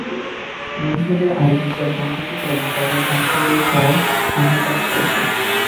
রোহিঙ্গাদের আয়-রোজগার বন্ধ থাকায় এবং ঘরের ধান-চাল লুট হওয়ায় হাহাকার চলছে।